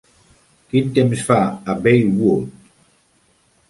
quin temps fa a Baywood.